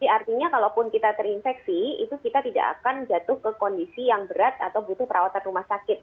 artinya kalaupun kita terinfeksi itu kita tidak akan jatuh ke kondisi yang berat atau butuh perawatan rumah sakit